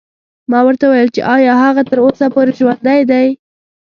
ما ورته وویل چې ایا هغه تر اوسه پورې ژوندی دی.